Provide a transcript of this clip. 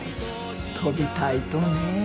飛びたいとね。